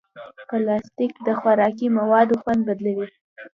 پلاستيک د خوراکي موادو خوند بدلوي.